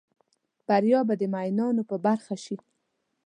بریا به د مومینانو په برخه شي